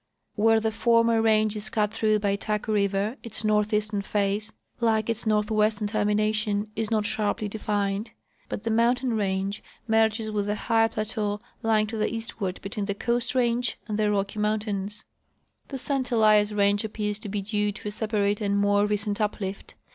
Where the former range is cut through by Taku river its northeastern face, like its northwestern termination, is not sharply defined, but the mountain range merges with the high , plateau lying to the eastward between the Coast range and the Rocky mountains. The 8t Elias range appears to be due to a separate and more recent uplift.